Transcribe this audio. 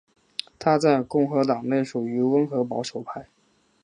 他在共和党内属于温和保守派。